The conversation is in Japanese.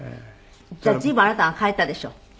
じゃあ随分あなたが変えたでしょ？